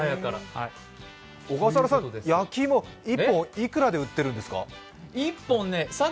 小笠原さん、焼き芋１本いくらで売ってるんですか？